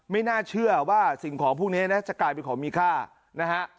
ไม่น่าเชื่อว่าสิ่งของพวกนี้นะจะกลายเป็นของมีค่านะฮะ